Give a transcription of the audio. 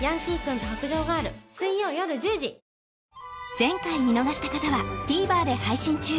前回見逃した方はＴＶｅｒで配信中